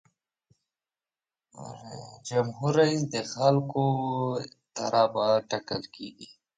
جمهور رئیس د خلکو له خوا ټاکل کیږي.